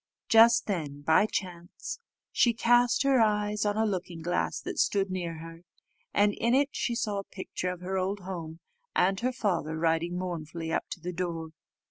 Just then, by chance, she cast her eyes on a looking glass that stood near her, and in it she saw a picture of her old home, and her father riding mournfully up to the door.